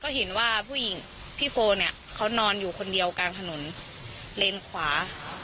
เห็นว่าผู้หญิงพี่โฟเนี่ยเขานอนอยู่คนเดียวกลางถนนเลนขวา